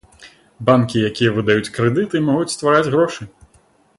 Банкі, якія выдаюць крэдыты, могуць ствараць грошы.